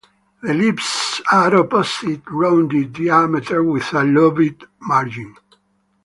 The leaves are opposite, rounded, diameter, with a lobed margin.